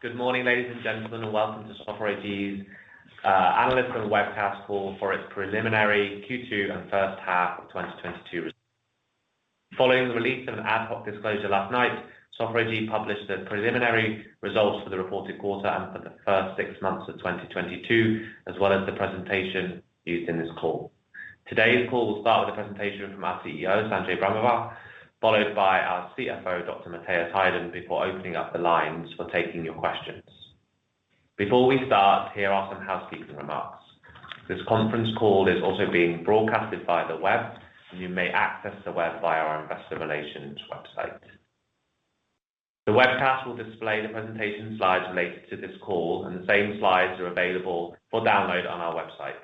Good morning, ladies and gentlemen, and welcome to Software AG's analyst and webcast call for its preliminary Q2 and first half of 2022 results. Following the release of an ad hoc disclosure last night, Software AG published the preliminary results for the reported quarter and for the first six months of 2022, as well as the presentation used in this call. Today's call will start with a presentation from our CEO, Sanjay Brahmawar, followed by our CFO, Dr. Matthias Heiden, before opening up the lines for taking your questions. Before we start, here are some housekeeping remarks. This conference call is also being broadcasted via the web, and you may access the web via our Investor Relations website. The webcast will display the presentation slides related to this call, and the same slides are available for download on our website.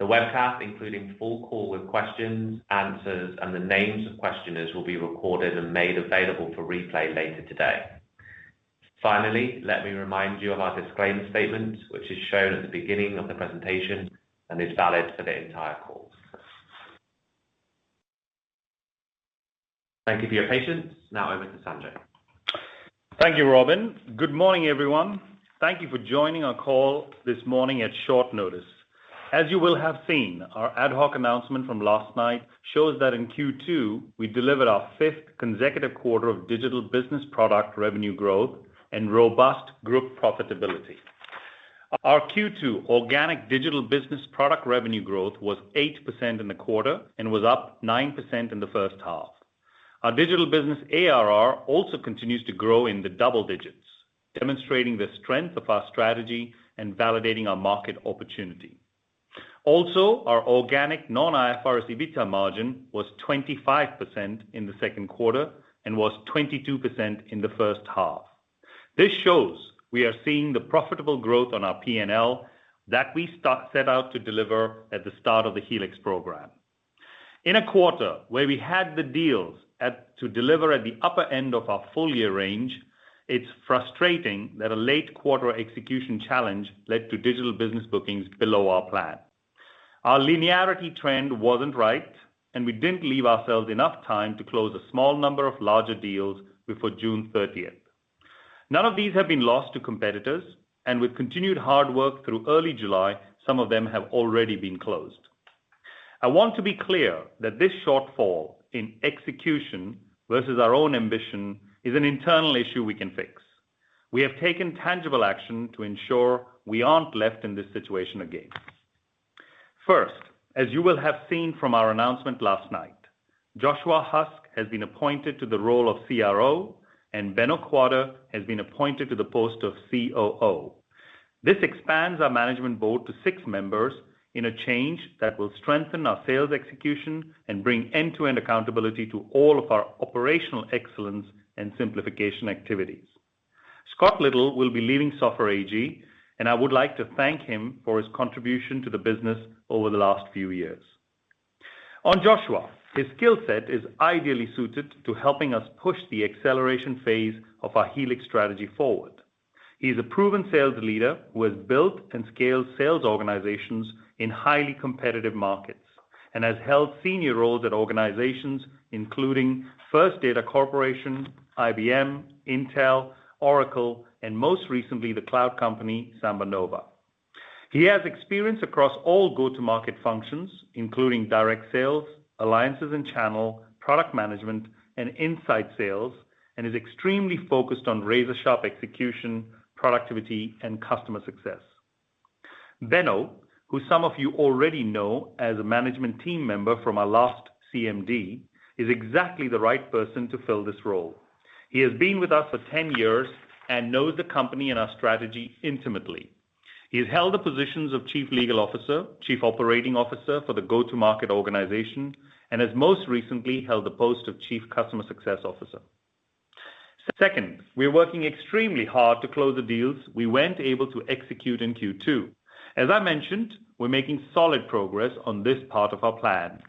The webcast, including full call with questions, answers, and the names of questioners, will be recorded and made available for replay later today. Finally, let me remind you of our disclaimer statement, which is shown at the beginning of the presentation and is valid for the entire call. Thank you for your patience. Now over to Sanjay. Thank you, Robin. Good morning, everyone. Thank you for joining our call this morning at short notice. As you will have seen, our ad hoc announcement from last night shows that in Q2, we delivered our fifth consecutive quarter of Digital Business product revenue growth and robust group profitability. Our Q2 organic Digital Business product revenue growth was 8% in the quarter and was up 9% in the first half. Our Digital Business ARR also continues to grow in the double digits, demonstrating the strength of our strategy and validating our market opportunity. Also, our organic non-IFRS EBITDA margin was 25% in the second quarter and was 22% in the first half. This shows we are seeing the profitable growth on our P&L that we set out to deliver at the start of the Helix program. In a quarter where we had the deals to deliver at the upper end of our full year range, it's frustrating that a late quarter execution challenge led to Digital Business bookings below our plan. Our linearity trend wasn't right, and we didn't leave ourselves enough time to close a small number of larger deals before June 30th. None of these have been lost to competitors, and with continued hard work through early July, some of them have already been closed. I want to be clear that this shortfall in execution versus our own ambition is an internal issue we can fix. We have taken tangible action to ensure we aren't left in this situation again. First, as you will have seen from our announcement last night, Joshua Husk has been appointed to the role of CRO, and Benno Quade has been appointed to the post of COO. This expands our management board to six members in a change that will strengthen our sales execution and bring end-to-end accountability to all of our operational excellence and simplification activities. Scott Little will be leaving Software AG, and I would like to thank him for his contribution to the business over the last few years. On Joshua, his skill set is ideally suited to helping us push the acceleration phase of our Helix strategy forward. He's a proven sales leader who has built and scaled sales organizations in highly competitive markets and has held senior roles at organizations including First Data Corp, IBM, Intel, Oracle, and most recently, the cloud company SambaNova. He has experience across all go-to-market functions, including direct sales, alliances and channel, product management, and inside sales, and is extremely focused on razor-sharp execution, productivity, and customer success. Benno, who some of you already know as a management team member from our last CMD, is exactly the right person to fill this role. He has been with us for 10 years and knows the company and our strategy intimately. He has held the positions of Chief Legal Officer, Chief Operating Officer for the go-to-market organization, and has most recently held the post of Chief Customer Success Officer. Second, we're working extremely hard to close the deals we weren't able to execute in Q2. As I mentioned, we're making solid progress on this part of our plan.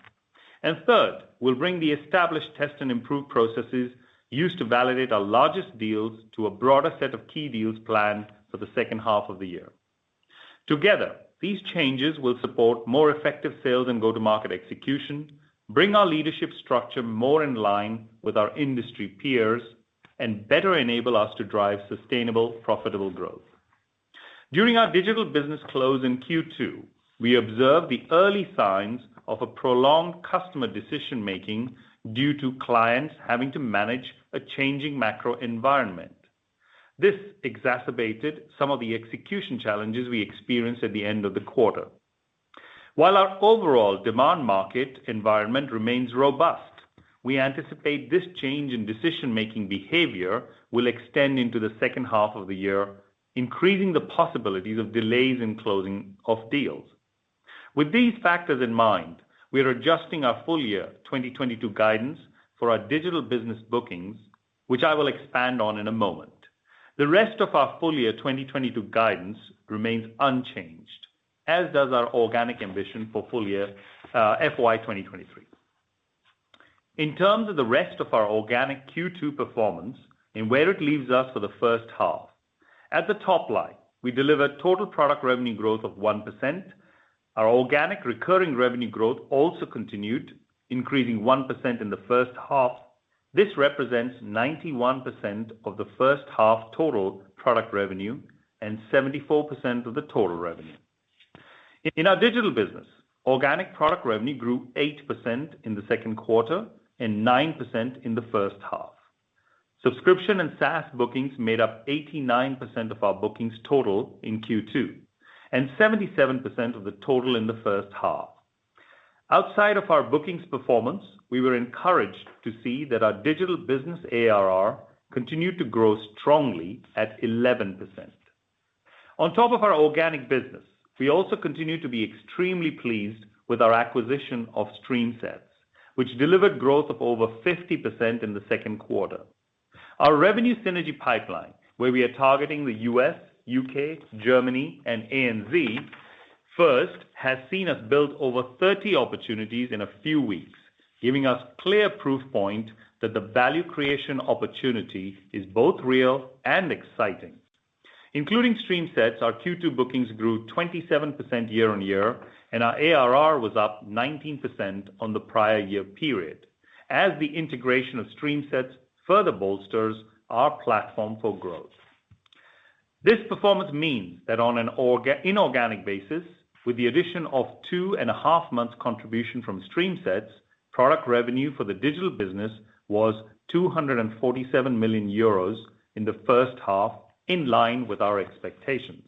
Third, we'll bring the established test and improved processes used to validate our largest deals to a broader set of key deals planned for the second half of the year. Together, these changes will support more effective sales and go-to-market execution, bring our leadership structure more in line with our industry peers, and better enable us to drive sustainable, profitable growth. During our Digital Business close in Q2, we observed the early signs of a prolonged customer decision-making due to clients having to manage a changing macro environment. This exacerbated some of the execution challenges we experienced at the end of the quarter. While our overall demand market environment remains robust, we anticipate this change in decision-making behavior will extend into the second half of the year, increasing the possibilities of delays in closing of deals. With these factors in mind, we are adjusting our full year 2022 guidance for our Digital Business bookings, which I will expand on in a moment. The rest of our full year 2022 guidance remains unchanged, as does our organic ambition for full year, FY 2023. In terms of the rest of our organic Q2 performance and where it leaves us for the first half. At the top line, we delivered Total Product revenue growth of 1%. Our organic recurring revenue growth also continued, increasing 1% in the first half. This represents 91% of the first half Total Product revenue and 74% of the total revenue. In our Digital Business, organic product revenue grew 8% in the second quarter and 9% in the first half. Subscription and SaaS bookings made up 89% of our bookings total in Q2 and 77% of the total in the first half. Outside of our bookings performance, we were encouraged to see that our Digital Business ARR continued to grow strongly at 11%. On top of our organic business, we also continue to be extremely pleased with our acquisition of StreamSets, which delivered growth of over 50% in the second quarter. Our revenue synergy pipeline, where we are targeting the U.S., U.K., Germany and ANZ first, has seen us build over 30 opportunities in a few weeks, giving us clear proof point that the value creation opportunity is both real and exciting. Including StreamSets, our Q2 bookings grew 27% year-on-year, and our ARR was up 19% on the prior year period as the integration of StreamSets further bolsters our platform for growth. This performance means that on an organic-inorganic basis, with the addition of 2.5 months contribution from StreamSets, product revenue for the Digital Business was 247 million euros in the first half, in line with our expectations.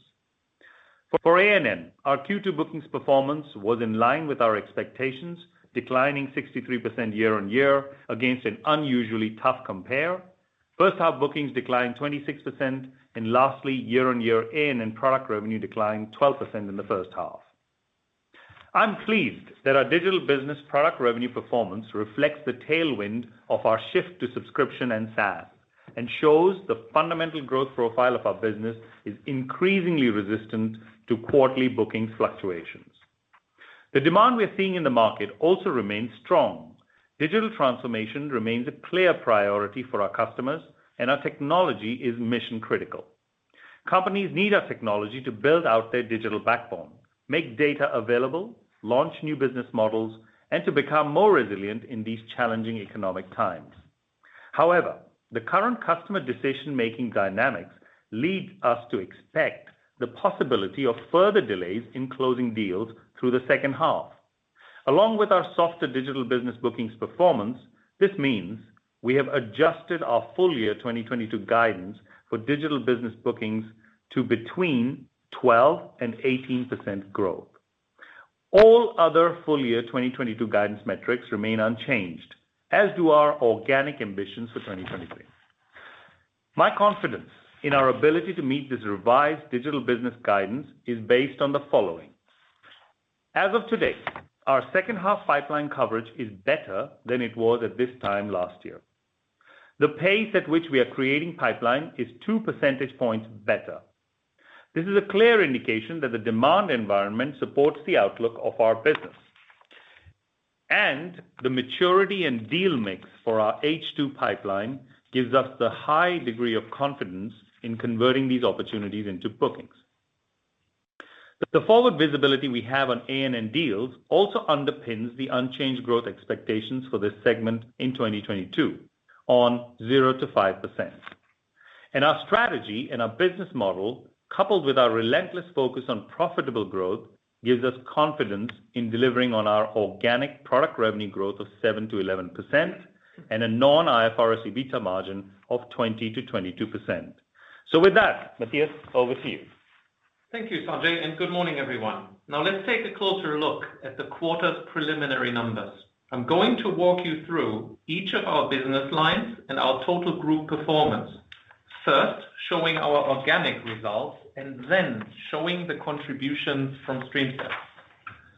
For A&N, our Q2 bookings performance was in line with our expectations, declining 63% year-on-year against an unusually tough compare. First half bookings declined 26% and lastly year-on-year A&N product revenue declined 12% in the first half. I'm pleased that our Digital Business product revenue performance reflects the tailwind of our shift to subscription and SaaS, and shows the fundamental growth profile of our business is increasingly resistant to quarterly bookings fluctuations. The demand we are seeing in the market also remains strong. Digital transformation remains a clear priority for our customers and our technology is mission-critical. Companies need our technology to build out their digital backbone, make data available, launch new business models, and to become more resilient in these challenging economic times. However, the current customer decision-making dynamics lead us to expect the possibility of further delays in closing deals through the second half. Along with our softer Digital Business bookings performance, this means we have adjusted our full year 2022 guidance for Digital Business bookings to between 12% and 18% growth. All other full year 2022 guidance metrics remain unchanged, as do our organic ambitions for 2023. My confidence in our ability to meet this revised Digital Business guidance is based on the following. As of today, our second half pipeline coverage is better than it was at this time last year. The pace at which we are creating pipeline is 2 percentage points better. This is a clear indication that the demand environment supports the outlook of our business. The maturity and deal mix for our H2 pipeline gives us the high degree of confidence in converting these opportunities into bookings. The forward visibility we have on A&N deals also underpins the unchanged growth expectations for this segment in 2022 on 0%-5%. Our strategy and our business model, coupled with our relentless focus on profitable growth, gives us confidence in delivering on our organic product revenue growth of 7%-11% and a non-IFRS EBITDA margin of 20%-22%. With that, Matthias, over to you. Thank you, Sanjay, and good morning, everyone. Now let's take a closer look at the quarter's preliminary numbers. I'm going to walk you through each of our business lines and our total group performance. First, showing our organic results and then showing the contributions from StreamSets.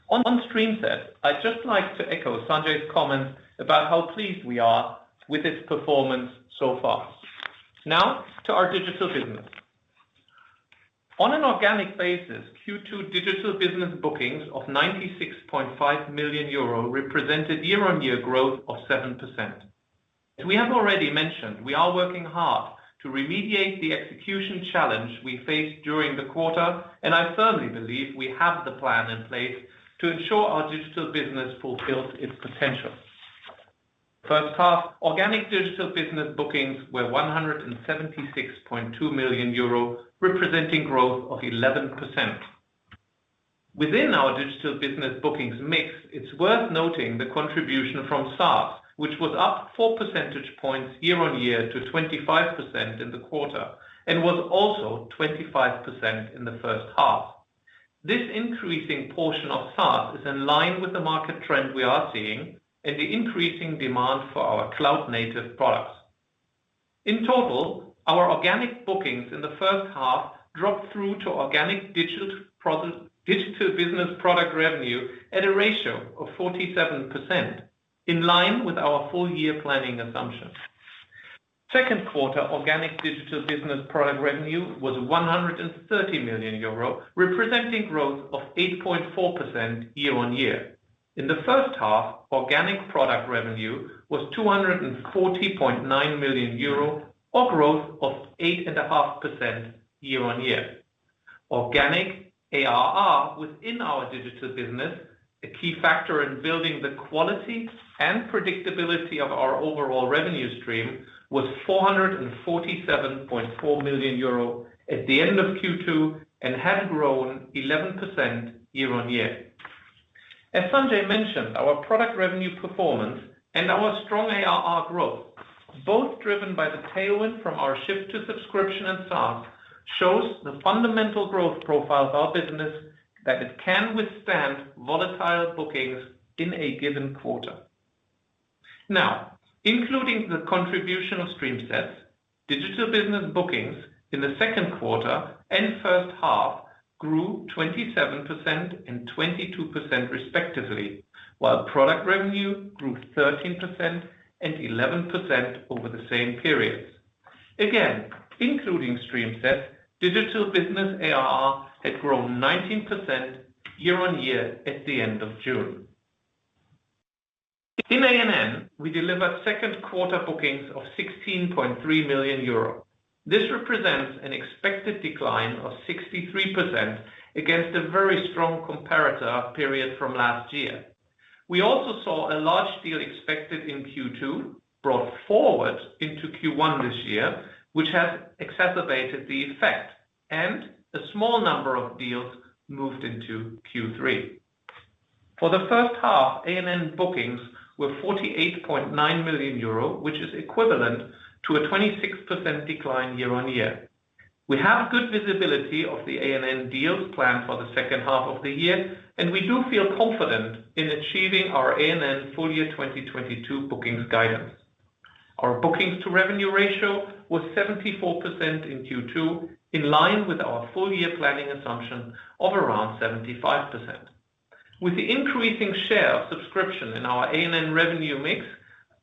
On StreamSets, I'd just like to echo Sanjay's comments about how pleased we are with its performance so far. Now to our Digital Business. On an organic basis, Q2 Digital Business bookings of 96.5 million euro represented year-on-year growth of 7%. As we have already mentioned, we are working hard to remediate the execution challenge we faced during the quarter, and I firmly believe we have the plan in place to ensure our Digital Business fulfills its potential. First half, organic Digital Business bookings were 176.2 million euro, representing growth of 11%. Within our Digital Business bookings mix, it's worth noting the contribution from SaaS, which was up 4 percentage points year-on-year to 25% in the quarter and was also 25% in the first half. This increasing portion of SaaS is in line with the market trend we are seeing and the increasing demand for our cloud-native products. In total, our organic bookings in the first half dropped through to organic Digital Business product revenue at a ratio of 47%, in line with our full year planning assumptions. Second quarter organic Digital Business product revenue was 130 million euro, representing growth of 8.4% year-on-year. In the first half, organic product revenue was 240.9 million euro, or growth of 8.5% year-on-year. Organic ARR within our Digital Business, a key factor in building the quality and predictability of our overall revenue stream, was 447.4 million euro at the end of Q2, and had grown 11% year-on-year. As Sanjay mentioned, our product revenue performance and our strong ARR growth, both driven by the tailwind from our shift to subscription and SaaS, shows the fundamental growth profile of our business that it can withstand volatile bookings in a given quarter. Now, including the contribution of StreamSets, Digital Business bookings in the second quarter and first half grew 27% and 22% respectively, while product revenue grew 13% and 11% over the same periods. Again, including StreamSets, Digital Business ARR had grown 19% year-on-year at the end of June. In A&N, we delivered second quarter bookings of 16.3 million euro. This represents an expected decline of 63% against a very strong comparator period from last year. We also saw a large deal expected in Q2 brought forward into Q1 this year, which has exacerbated the effect, and a small number of deals moved into Q3. For the first half, A&N bookings were 48.9 million euro, which is equivalent to a 26% decline year-on-year. We have good visibility of the A&N deals planned for the second half of the year, and we do feel confident in achieving our A&N full-year 2022 bookings guidance. Our bookings to revenue ratio was 74% in Q2, in line with our full-year planning assumption of around 75%. With the increasing share of subscription in our A&N revenue mix,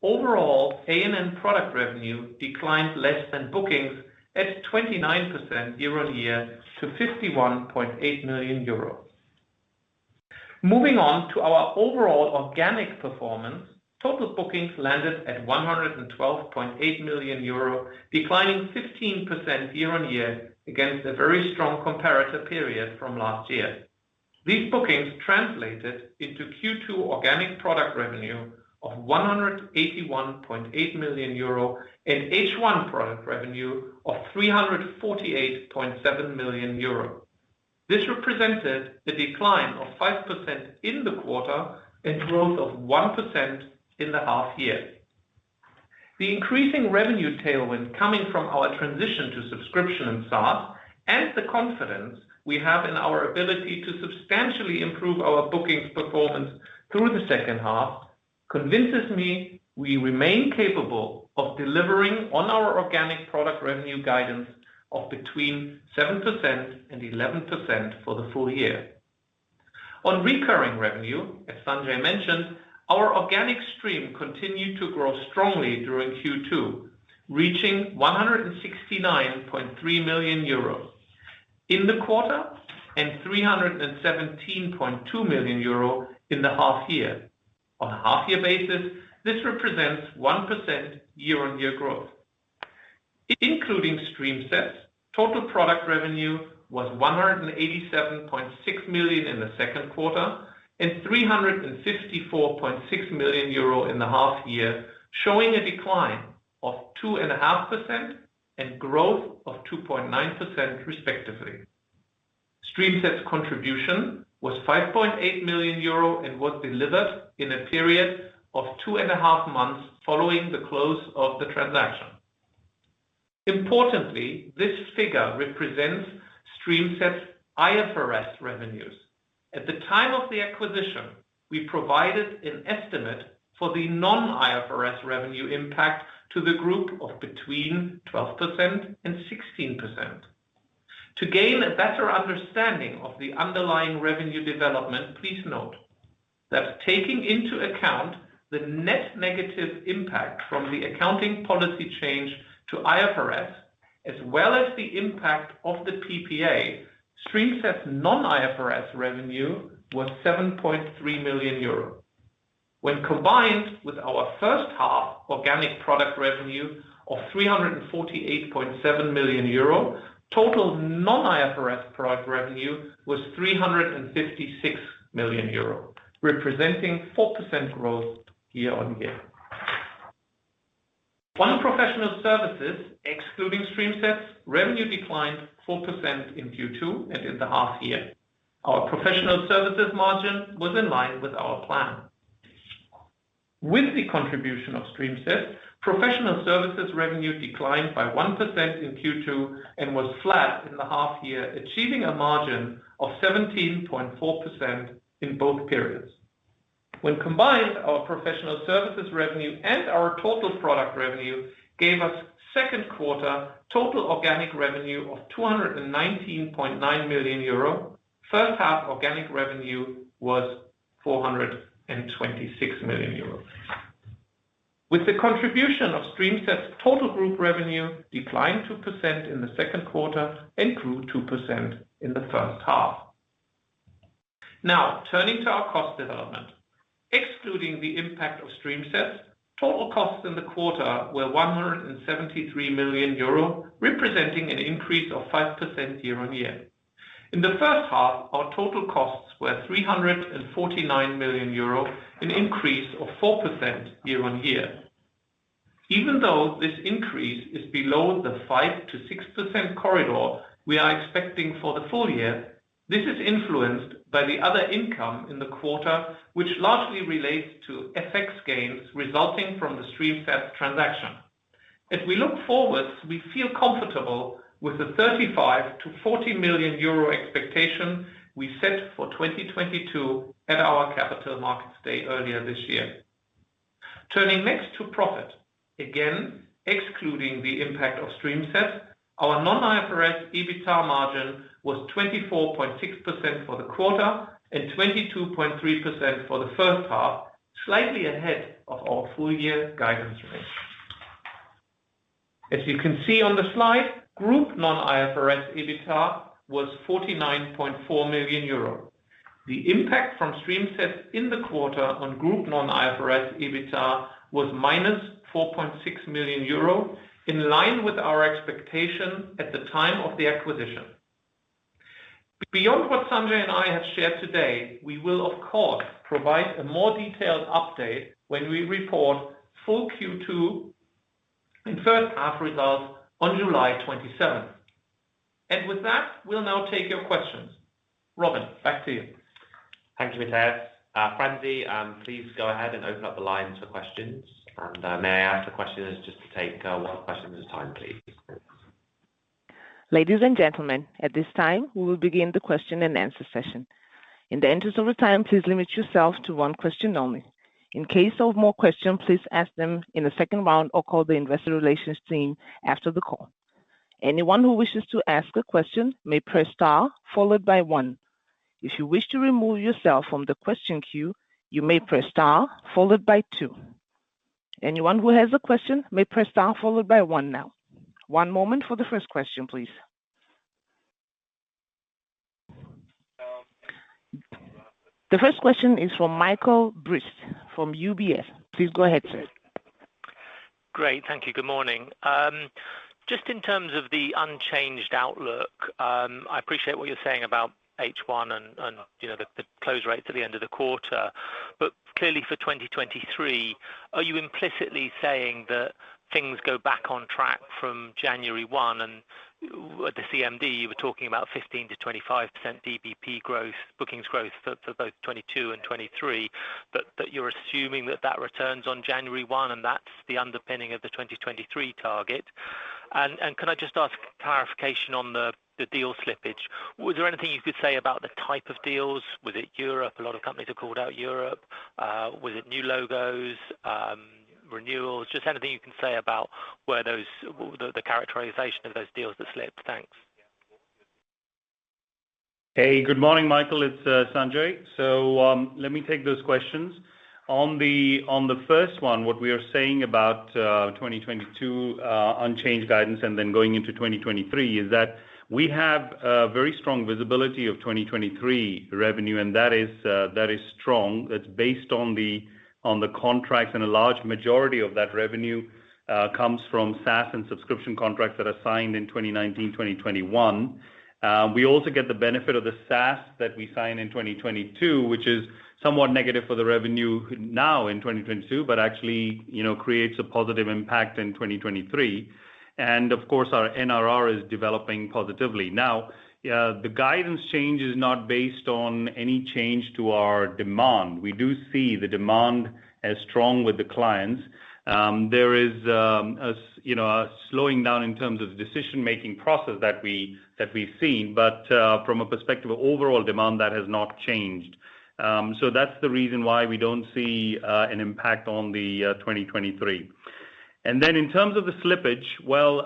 overall A&N product revenue declined less than bookings at 29% year-on-year to 51.8 million euros. Moving on to our overall organic performance, total bookings landed at 112.8 million euro, declining 15% year-on-year against a very strong comparator period from last year. These bookings translated into Q2 organic product revenue of 181.8 million euro and H1 product revenue of 348.7 million euro. This represented a decline of 5% in the quarter and growth of 1% in the half year. The increasing revenue tailwind coming from our transition to subscription and SaaS, and the confidence we have in our ability to substantially improve our bookings performance through the second half, convinces me we remain capable of delivering on our organic product revenue guidance of between 7% and 11% for the full year. On recurring revenue, as Sanjay mentioned, our organic stream continued to grow strongly during Q2, reaching 169.3 million euros in the quarter and 317.2 million euros in the half year. On a half year basis, this represents 1% year-on-year growth. Including StreamSets, Total Product revenue was 187.6 million in the second quarter and 354.6 million euro in the half year, showing a decline of 2.5% and growth of 2.9% respectively. StreamSets contribution was 5.8 million euro and was delivered in a period of two and a half months following the close of the transaction. Importantly, this figure represents StreamSets IFRS revenues. At the time of the acquisition, we provided an estimate for the non-IFRS revenue impact to the group of between 12%-16%. To gain a better understanding of the underlying revenue development, please note that taking into account the net negative impact from the accounting policy change to IFRS, as well as the impact of the PPA, StreamSets non-IFRS revenue was 7.3 million euros. When combined with our first half organic product revenue of 348.7 million euro, total non-IFRS product revenue was 356 million euro, representing 4% growth year-on-year. On Professional Services excluding StreamSets, revenue declined 4% in Q2 and in the half year. Our Professional Services margin was in line with our plan. With the contribution of StreamSets, Professional Services revenue declined by 1% in Q2 and was flat in the half year, achieving a margin of 17.4% in both periods. When combined, our Professional Services revenue and our Total Product revenue gave us second quarter total organic revenue of 219.9 million euro. First half organic revenue was 426 million euro. With the contribution of StreamSets', total group revenue declined 2% in the second quarter and grew 2% in the first half. Now, turning to our cost development. Excluding the impact of StreamSets, total costs in the quarter were 173 million euro, representing an increase of 5% year-on-year. In the first half, our total costs were 349 million euro, an increase of 4% year-on-year. Even though this increase is below the 5%-6% corridor we are expecting for the full year, this is influenced by the other income in the quarter, which largely relates to FX gains resulting from the StreamSets transaction. As we look forward, we feel comfortable with the 35 million-40 million euro expectation we set for 2022 at our Capital Markets Day earlier this year. Turning next to profit. Again, excluding the impact of StreamSets, our non-IFRS EBITDA margin was 24.6% for the quarter and 22.3% for the first half, slightly ahead of our full year guidance range. As you can see on the slide, group non-IFRS EBITDA was 49.4 million euros. The impact from StreamSets in the quarter on group non-IFRS EBITDA was -4.6 million euro, in line with our expectation at the time of the acquisition. Beyond what Sanjay and I have shared today, we will of course provide a more detailed update when we report full Q2 and first half results on July 27. With that, we'll now take your questions. Robin, back to you. Thank you, Matthias. Franzi, please go ahead and open up the line for questions. May I ask the questioners just to take one question at a time, please? Ladies and gentlemen, at this time, we will begin the questio-and-answer session. In the interest of the time, please limit yourself to one question only. In case of more questions, please ask them in the second round or call the investor relations team after the call. Anyone who wishes to ask a question may press star followed by one. If you wish to remove yourself from the question queue, you may press star followed by two. Anyone who has a question may press star followed by one now. One moment for the first question, please. The first question is from Michael Briest from UBS. Please go ahead, sir. Great. Thank you. Good morning. Just in terms of the unchanged outlook, I appreciate what you're saying about H1 and you know, the close rates at the end of the quarter. Clearly for 2023, are you implicitly saying that things go back on track from January 1? At the CMD, you were talking about 15%-25% DBP growth, bookings growth for both 2022 and 2023, but that you're assuming that returns on January 1, and that's the underpinning of the 2023 target. Can I just ask clarification on the deal slippage? Was there anything you could say about the type of deals? Was it Europe? A lot of companies have called out Europe. Was it new logos, renewals? Just anything you can say about where those, the characterization of those deals that slipped? Thanks. Hey, good morning, Michael. It's Sanjay. Let me take those questions. On the first one, what we are saying about 2022 unchanged guidance and then going into 2023 is that we have very strong visibility of 2023 revenue, and that is strong. It's based on the contracts, and a large majority of that revenue comes from SaaS and subscription contracts that are signed in 2019, 2021. We also get the benefit of the SaaS that we sign in 2022, which is somewhat negative for the revenue now in 2022, but actually, you know, creates a positive impact in 2023. Of course, our NRR is developing positively. Now, the guidance change is not based on any change to our demand. We do see the demand as strong with the clients. There is, you know, a slowing down in terms of decision-making process that we've seen. From a perspective of overall demand, that has not changed. That's the reason why we don't see an impact on the 2023. In terms of the slippage, well,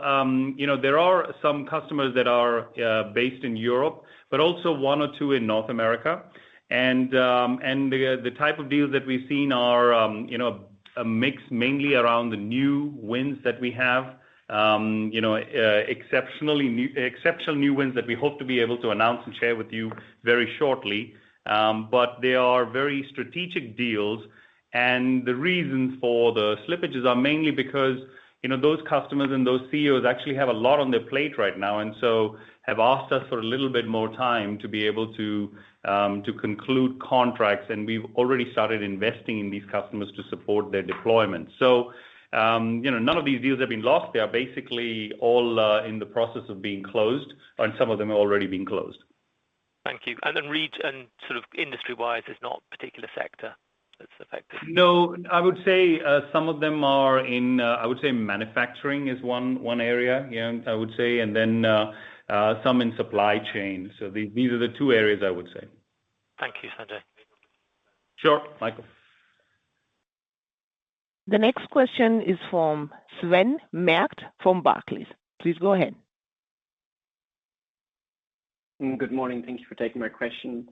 you know, there are some customers that are based in Europe, but also one or two in North America. The type of deals that we've seen are, you know, a mix mainly around the new wins that we have, you know, exceptional new wins that we hope to be able to announce and share with you very shortly. They are very strategic deals. The reason for the slippages are mainly because, you know, those customers and those CEOs actually have a lot on their plate right now, and so have asked us for a little bit more time to be able to conclude contracts. We've already started investing in these customers to support their deployment. You know, none of these deals have been lost. They are basically all, in the process of being closed, and some of them have already been closed. Thank you. Sort of industry-wise, there's not particular sector that's affected? No. I would say some of them are in. I would say manufacturing is one area, yeah, I would say. Some in supply chain. These are the two areas I would say. Thank you, Sanjay. Sure, Michael. The next question is from Sven Merkt from Barclays. Please go ahead. Good morning. Thank you for taking my question.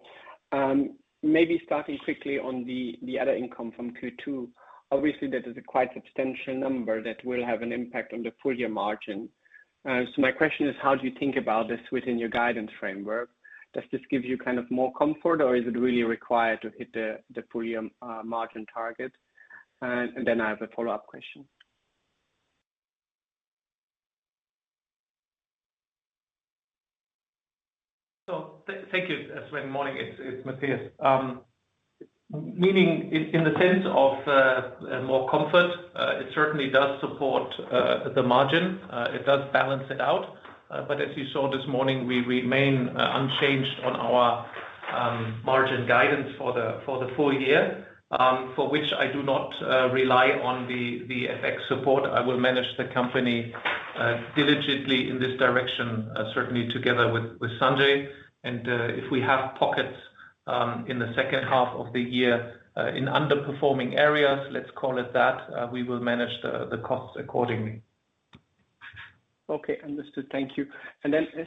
Maybe starting quickly on the other income from Q2. Obviously, that is a quite substantial number that will have an impact on the full year margin. My question is, how do you think about this within your guidance framework? Does this give you kind of more comfort, or is it really required to hit the full year margin target? Then I have a follow-up question. Thank you, Sven. Morning. It's Matthias. Meaning in the sense of more comfort, it certainly does support the margin. It does balance it out. But as you saw this morning, we remain unchanged on our margin guidance for the full year, for which I do not rely on the FX support. I will manage the company diligently in this direction, certainly together with Sanjay. If we have pockets in the second half of the year in underperforming areas, let's call it that, we will manage the cost accordingly. Okay. Understood. Thank you.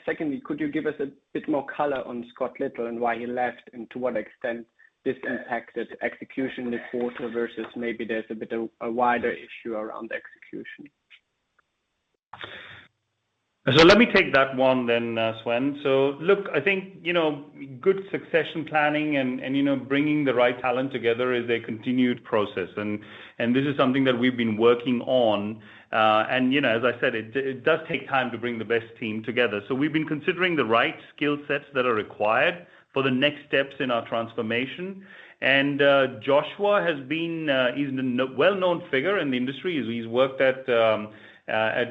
Secondly, could you give us a bit more color on Scott Little and why he left, and to what extent this impacted execution this quarter versus maybe there's a bit of a wider issue around execution? Let me take that one then, Sven. Look, I think, you know, good succession planning and you know bringing the right talent together is a continued process. This is something that we've been working on. You know, as I said, it does take time to bring the best team together. We've been considering the right skill sets that are required for the next steps in our transformation. Joshua has been, he's a well-known figure in the industry. He's worked at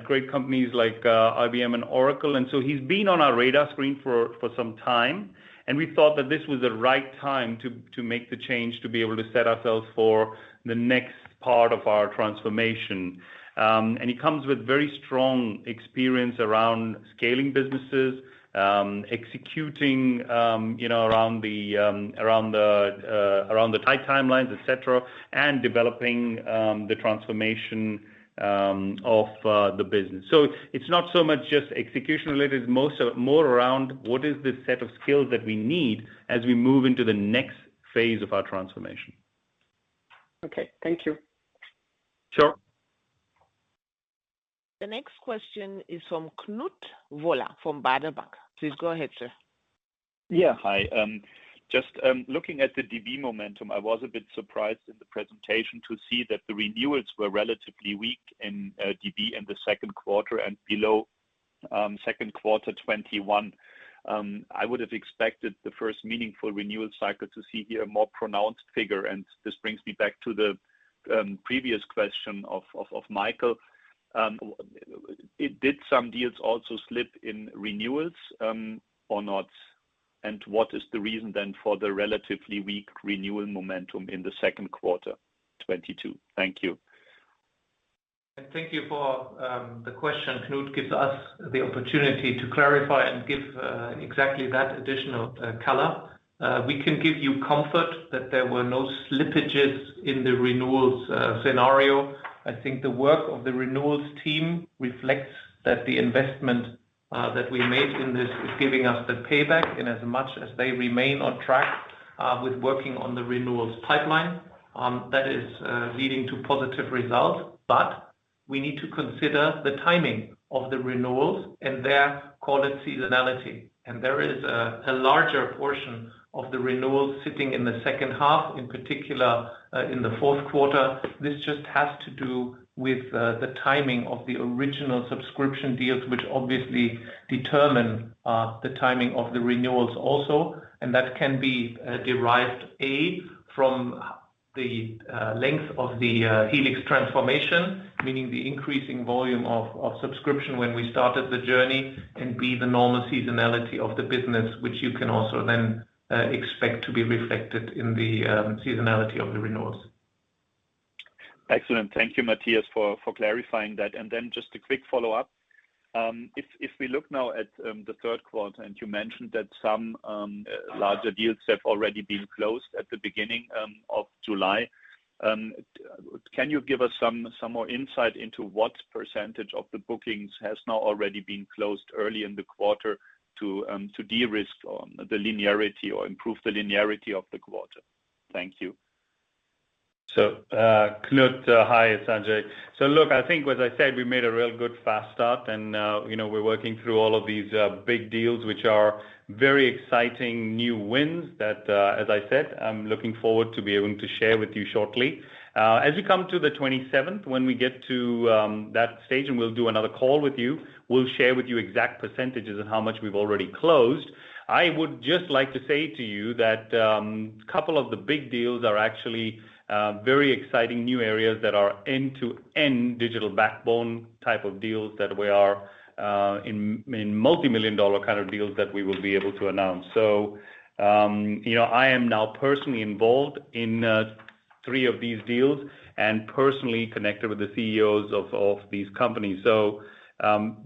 great companies like IBM and Oracle, so he's been on our radar screen for some time. We thought that this was the right time to make the change to be able to set ourselves for the next part of our transformation. He comes with very strong experience around scaling businesses, executing, you know, around the tight timelines, et cetera, and developing the transformation of the business. It's not so much just execution related, it's more around what is the set of skills that we need as we move into the next phase of our transformation. Okay. Thank you. Sure. The next question is from Knut Woller from Baader Bank. Please go ahead, sir. Yeah. Hi. Just looking at the DB momentum, I was a bit surprised in the presentation to see that the renewals were relatively weak in DB in the second quarter and below second quarter 2021. I would have expected the first meaningful renewal cycle to see here a more pronounced figure, and this brings me back to the previous question of Michael. Did some deals also slip in renewals, or not? What is the reason then for the relatively weak renewal momentum in the second quarter 2022? Thank you. Thank you for the question. Knut gives us the opportunity to clarify and give exactly that additional color. We can give you comfort that there were no slippages in the renewals scenario. I think the work of the renewals team reflects that the investment that we made in this is giving us the payback in as much as they remain on track with working on the renewals pipeline that is leading to positive results. We need to consider the timing of the renewals and their, call it seasonality. There is a larger portion of the renewals sitting in the second half, in particular, in the fourth quarter. This just has to do with the timing of the original subscription deals, which obviously determine the timing of the renewals also. That can be derived A, from the length of the Helix transformation, meaning the increasing volume of subscription when we started the journey, and B, the normal seasonality of the business, which you can also then expect to be reflected in the seasonality of the renewals. Excellent. Thank you, Matthias, for clarifying that. Just a quick follow-up. If we look now at the third quarter, and you mentioned that some larger deals have already been closed at the beginning of July. Can you give us some more insight into what percentage of the bookings has now already been closed early in the quarter to de-risk on the linearity or improve the linearity of the quarter? Thank you. Knut, hi, it's Sanjay. Look, I think as I said, we made a real good fast start and you know, we're working through all of these big deals, which are very exciting new wins that as I said, I'm looking forward to be able to share with you shortly. As we come to the 27th, when we get to that stage and we'll do another call with you, we'll share with you exact percentages of how much we've already closed. I would just like to say to you that couple of the big deals are actually very exciting new areas that are end-to-end digital backbone type of deals that we are in multi-million-dollar kind of deals that we will be able to announce. You know, I am now personally involved in three of these deals and personally connected with the CEOs of these companies.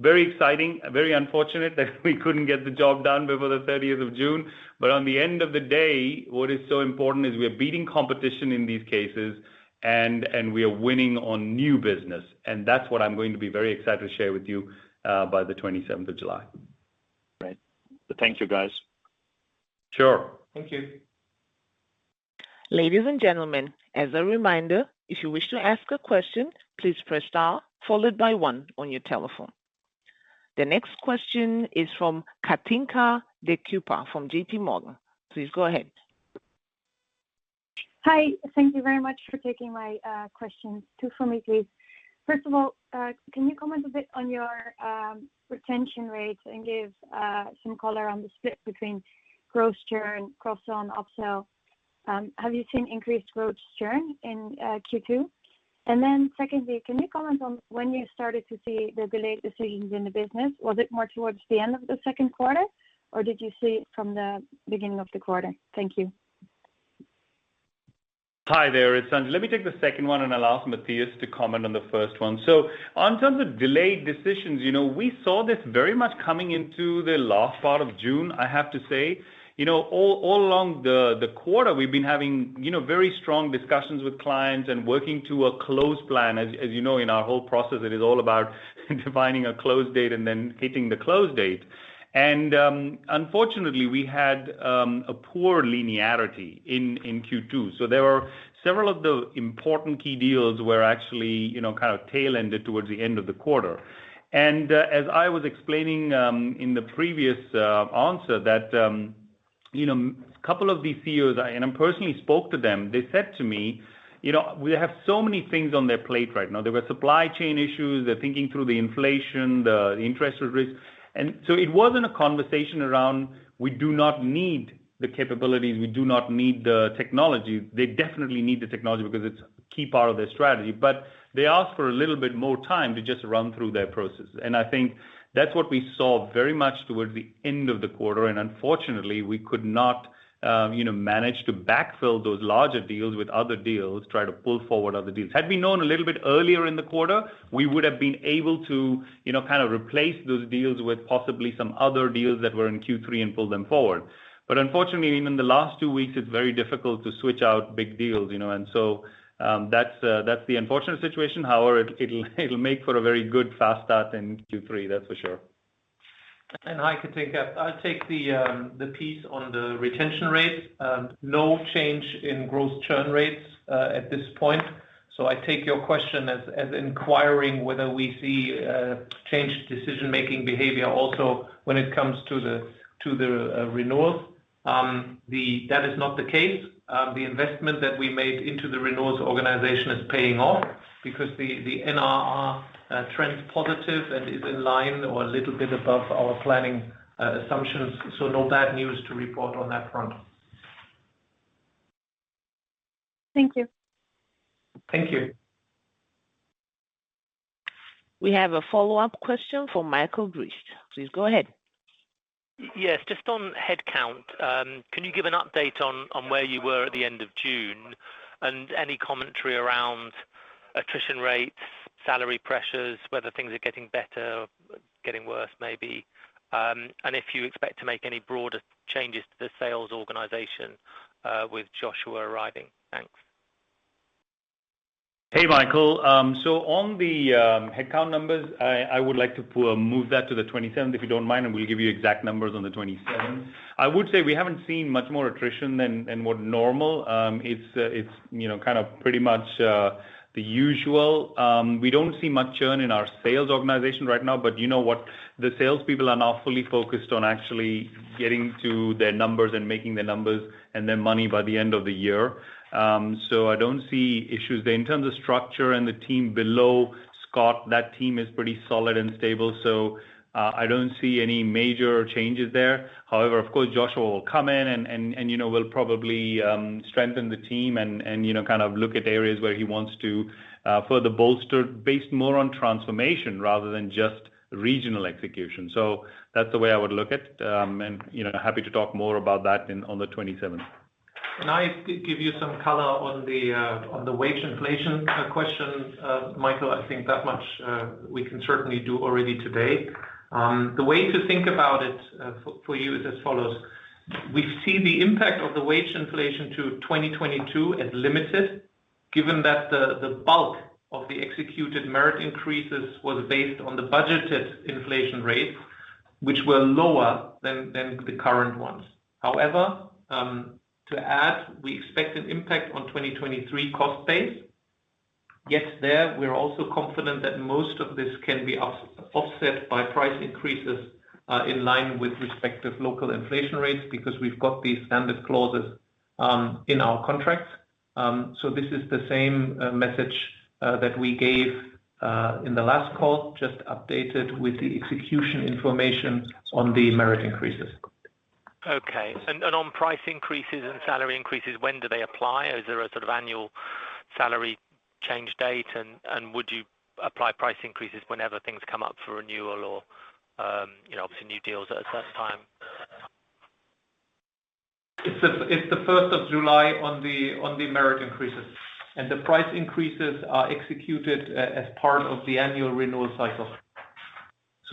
Very exciting, very unfortunate that we couldn't get the job done before the thirtieth of June. At the end of the day, what is so important is we are beating competition in these cases and we are winning on new business. That's what I'm going to be very excited to share with you by the 27th of July. Great. Thank you, guys. Sure. Thank you. Ladies and gentlemen, as a reminder, if you wish to ask a question, please press star followed by one on your telephone. The next question is from Kathinka De Kuyper from JPMorgan. Please go ahead. Hi. Thank you very much for taking my questions. Two for me, please. First of all, can you comment a bit on your retention rates and give some color on the split between gross churn, cross-sell and upsell? Have you seen increased gross churn in Q2? Secondly, can you comment on when you started to see the delayed decisions in the business? Was it more towards the end of the second quarter, or did you see it from the beginning of the quarter? Thank you. Hi there, it's Sanjay. Let me take the second one, and I'll ask Matthias to comment on the first one. On terms of delayed decisions, you know, we saw this very much coming into the last part of June, I have to say. You know, all along the quarter we've been having, you know, very strong discussions with clients and working to a close plan. As you know, in our whole process it is all about defining a close date and then hitting the close date. Unfortunately, we had a poor linearity in Q2. There were several of the important key deals were actually, you know, kind of tail-ended towards the end of the quarter. As I was explaining in the previous answer that, you know, couple of the CEOs, and I personally spoke to them, they said to me, you know, we have so many things on their plate right now. There were supply chain issues. They're thinking through the inflation, the interest rates. It wasn't a conversation around we do not need the capabilities, we do not need the technology. They definitely need the technology because it's a key part of their strategy. But they asked for a little bit more time to just run through their process. I think that's what we saw very much towards the end of the quarter, and unfortunately, we could not, you know, manage to backfill those larger deals with other deals, try to pull forward other deals. Had we known a little bit earlier in the quarter, we would have been able to, you know, kind of replace those deals with possibly some other deals that were in Q3 and pull them forward. Unfortunately, even the last two weeks, it's very difficult to switch out big deals, you know. That's the unfortunate situation. However, it'll make for a very good fast start in Q3, that's for sure. Hi, Kathinka. I'll take the piece on the retention rate. No change in gross churn rates at this point. I take your question as inquiring whether we see changed decision-making behavior also when it comes to the renewals. That is not the case. The investment that we made into the renewals organization is paying off because the NRR trends positive and is in line or a little bit above our planning assumptions. No bad news to report on that front. Thank you. Thank you. We have a follow-up question from Michael Briest. Please go ahead. Yes. Just on headcount, can you give an update on where you were at the end of June? Any commentary around attrition rates, salary pressures, whether things are getting better or getting worse maybe, and if you expect to make any broader changes to the sales organization with Joshua arriving? Thanks. Hey, Michael. So on the headcount numbers, I would like to move that to the 27th, if you don't mind, and we'll give you exact numbers on the 27th. I would say we haven't seen much more attrition than what normal. It's you know, kind of pretty much the usual. We don't see much churn in our sales organization right now, but you know what? The sales people are now fully focused on actually getting to their numbers and making their numbers and their money by the end of the year. So I don't see issues there. In terms of structure and the team below Scott, that team is pretty solid and stable, so I don't see any major changes there. However, of course, Joshua will come in and you know will probably strengthen the team and you know kind of look at areas where he wants to further bolster based more on transformation rather than just regional execution. That's the way I would look at it. You know, happy to talk more about that on the 27th. Can I give you some color on the wage inflation question, Michael? I think that much we can certainly do already today. The way to think about it for you is as follows: We see the impact of the wage inflation to 2022 as limited, given that the bulk of the executed merit increases was based on the budgeted inflation rates, which were lower than the current ones. However, to add, we expect an impact on 2023 cost base. Yet there, we're also confident that most of this can be offset by price increases in line with respective local inflation rates because we've got these standard clauses in our contracts. This is the same message that we gave in the last call, just updated with the execution information on the merit increases. Okay. On price increases and salary increases, when do they apply? Is there a sort of annual salary change date, and would you apply price increases whenever things come up for renewal or, you know, obviously new deals at a certain time? It's the first of July on the merit increases, and the price increases are executed as part of the annual renewal cycle.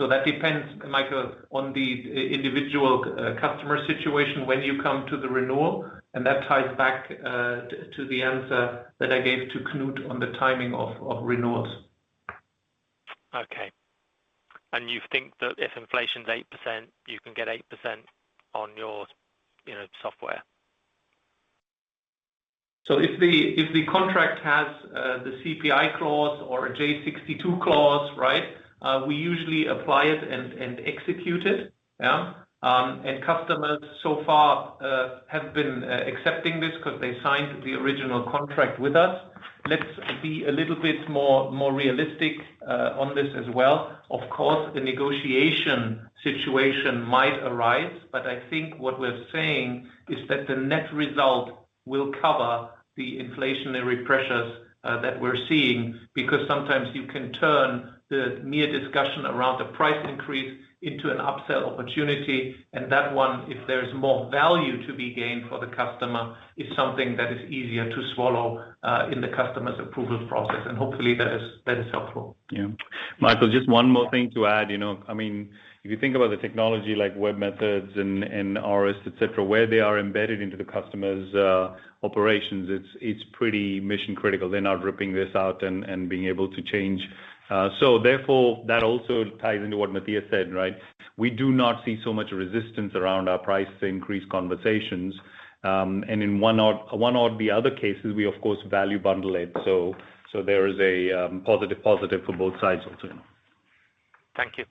That depends, Michael, on the individual customer situation when you come to the renewal, and that ties back to the answer that I gave to Knut on the timing of renewals. Okay. You think that if inflation's 8%, you can get 8% on your, you know, software? If the contract has the CPI clause or a J 62 clause, right, we usually apply it and execute it. Yeah. Customers so far have been accepting this because they signed the original contract with us. Let's be a little bit more realistic on this as well. Of course, the negotiation situation might arise, but I think what we're saying is that the net result will cover the inflationary pressures that we're seeing. Sometimes you can turn the mere discussion around the price increase into an upsell opportunity. That one, if there's more value to be gained for the customer, is something that is easier to swallow in the customer's approval process. Hopefully that is helpful. Yeah. Michael, just one more thing to add. You know, I mean, if you think about the technology like webMethods and ARIS, et cetera, where they are embedded into the customer's operations, it's pretty mission critical. They're not ripping this out and being able to change. Therefore, that also ties into what Matthias said, right? We do not see so much resistance around our price increase conversations. In one or the other cases, we of course value bundle it. There is a positive for both sides also. Thank you.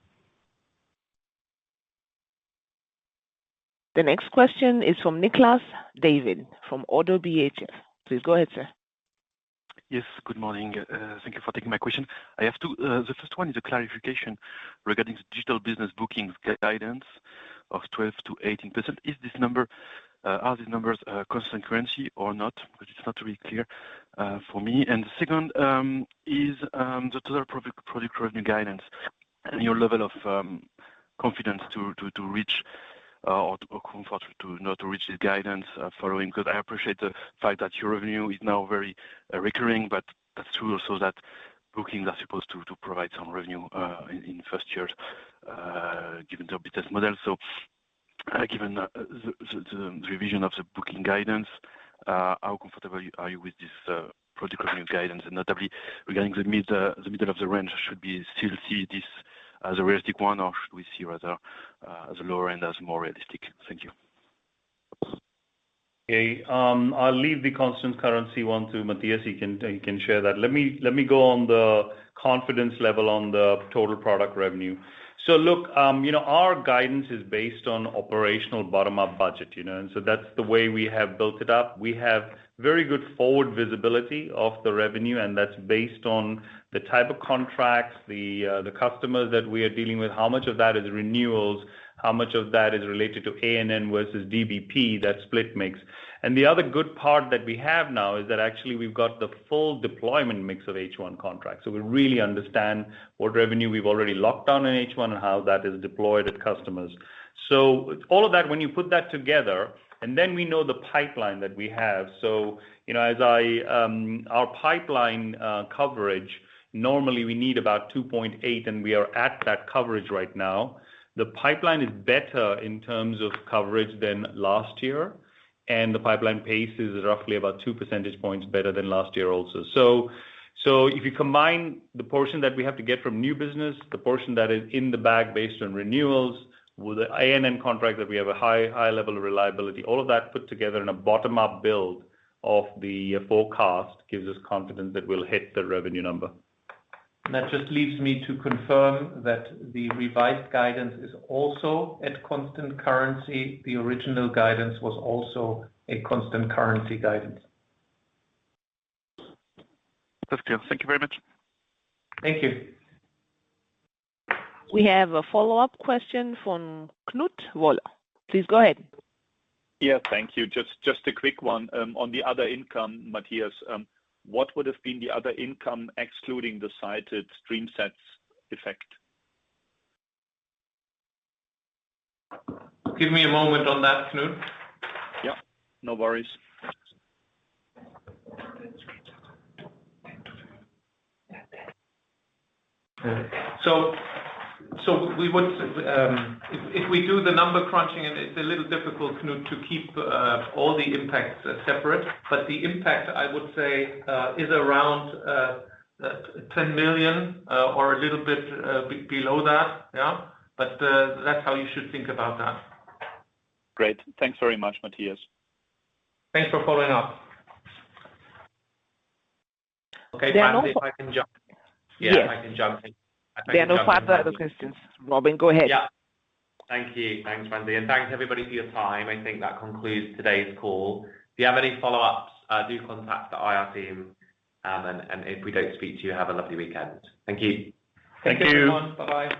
The next question is from Nicolas David from ODDO BHF. Please go ahead, sir. Yes, good morning. Thank you for taking my question. I have two. The first one is a clarification regarding the Digital Business bookings guidance of 12%-18%. Is this number, are these numbers, constant currency or not? Which is not really clear for me. The second is the Total Product revenue guidance and your level of confidence to reach, or comfort to reach the guidance following. Because I appreciate the fact that your revenue is now very recurring, but that's true also that bookings are supposed to provide some revenue in first years given the business model. Given the revision of the bookings guidance, how comfortable are you with this product revenue guidance? Notably, regarding the middle of the range, should we still see this as a realistic one or should we see rather, the lower end as more realistic? Thank you. Okay. I'll leave the constant currency one to Matthias. He can share that. Let me go on the confidence level on the Total Product revenue. Look, you know, our guidance is based on operational bottom-up budget, you know. That's the way we have built it up. We have very good forward visibility of the revenue, and that's based on the type of contracts, the customers that we are dealing with, how much of that is renewals, how much of that is related to A&N versus DBP, that split mix. The other good part that we have now is that actually we've got the full deployment mix of H1 contracts. We really understand what revenue we've already locked down in H1 and how that is deployed at customers. All of that, when you put that together, and then we know the pipeline that we have. You know, our pipeline coverage normally we need about 2.8x, and we are at that coverage right now. The pipeline is better in terms of coverage than last year, and the pipeline pace is roughly about 2 percentage points better than last year also. If you combine the portion that we have to get from new business, the portion that is in the bag based on renewals, with the A&N contract that we have a high level of reliability, all of that put together in a bottom-up build of the forecast gives us confidence that we'll hit the revenue number. That just leaves me to confirm that the revised guidance is also at constant currency. The original guidance was also a constant currency guidance. That's clear. Thank you very much. Thank you. We have a follow-up question from Knut Woller. Please go ahead. Yeah, thank you. Just a quick one. On the other income, Matthias, what would have been the other income excluding the cited StreamSets effect? Give me a moment on that, Knut. Yeah, no worries. We would, if we do the number crunching, and it's a little difficult, Knut, to keep all the impacts separate. The impact, I would say, is around 10 million or a little bit below that. Yeah. That's how you should think about that. Great. Thanks very much, Matthias. Thanks for following up. Okay. There are no- Yeah. Yes. If I can jump in? There are no further other questions. Robin, go ahead. Yeah. Thank you. Thanks, Franzi. Thanks everybody for your time. I think that concludes today's call. If you have any follow-ups, do contact the IR team. If we don't speak to you, have a lovely weekend. Thank you. Thank you. Thank you, everyone. Bye-bye.